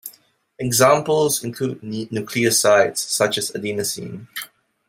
Examples include nucleosides such as adenosine.